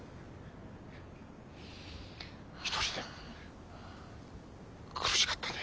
１人で苦しかったね。